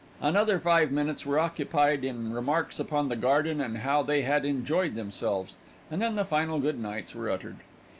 Another five minutes were occupied in remarks upon the garden and how they had enjoyed themselves and then the final goodnights were uttered.